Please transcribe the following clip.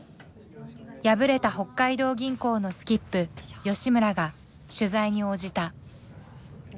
敗れた北海道銀行のスキップ吉村が取材に応じた。